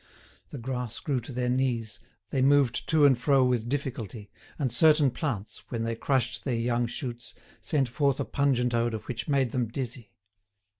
The grass grew to their knees, they moved to and fro with difficulty, and certain plants, when they crushed their young shoots, sent forth a pungent odour which made them dizzy.